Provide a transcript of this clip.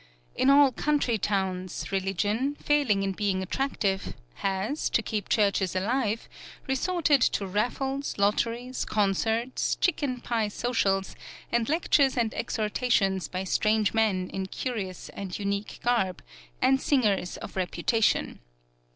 In all country towns, religion, failing in being attractive, has, to keep churches alive, resorted to raffles, lotteries, concerts, chicken pie socials, and lectures and exhortations by strange men in curious and unique garb, and singers of reputation.